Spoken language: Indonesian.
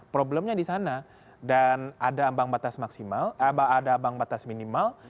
problemnya disana dan ada bank batas maksimal ada bank batas minimal